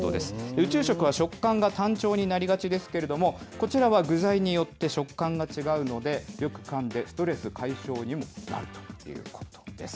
宇宙食は食感が単調になりがちですけれども、こちらは具材によって食感が違うので、よくかんで、ストレス解消にもなるということです。